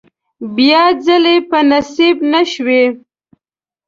بیا ځلې په نصیب نشوې.